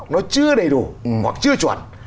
nó chưa đầy đủ hoặc chưa chuẩn